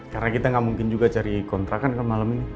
karena kita gak mungkin juga cari kontrakan kan malam ini